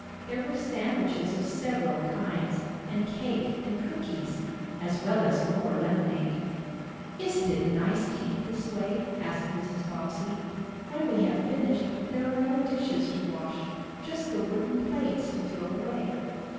There were sandwiches of several kinds, and cake and cookies, as well as more lemonade. "Isn't it nice to eat this way?" asked Mrs. Bobbsey. "When we have finished, there are no dishes to wash; just the wooden plates to throw away."